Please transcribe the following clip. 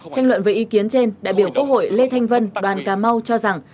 tranh luận về ý kiến trên đại biểu quốc hội lê thanh vân đoàn cà mau cho rằng